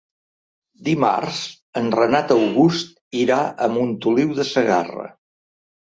Dimarts en Renat August irà a Montoliu de Segarra.